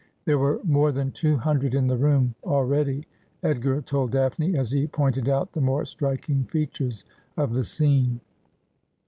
There were more than two hundred in the room already, Edgar told Daphne, as he pointed out the more striking features of the scene.